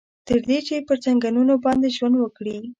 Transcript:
تر دې چې پر ځنګنونو باندې ژوند وکړي.